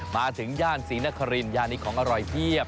มาถึงย่านศรีนครินย่านนี้ของอร่อยเพียบ